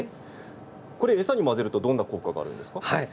餌に混ぜるとどんな効果があるんですか。